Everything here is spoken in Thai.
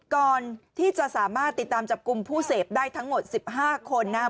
ก่อนที่จะสามารถติดตามจับกลุ่มผู้เสพได้ทั้งหมด๑๕คนนะครับ